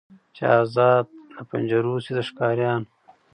چي آزاد له پنجرو سي د ښکاریانو